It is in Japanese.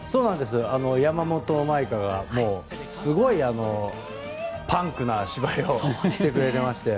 山本舞香がすごいパンクな芝居をしてくれていまして。